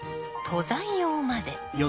登山用まで。